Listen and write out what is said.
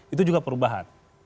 itu juga perubahan